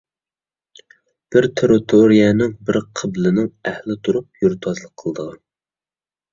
بىر تېررىتورىيەنىڭ، بىر قىبلىنىڭ ئەھلى تۇرۇپ يۇرتۋازلىق قىلىدىغان.